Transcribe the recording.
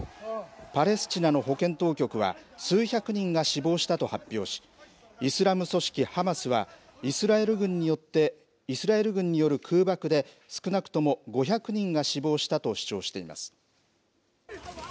パレスチナの保健当局は、数百人が死亡したと発表し、イスラム組織ハマスは、イスラエル軍による空爆で、少なくとも５００人が死亡したと主張しています。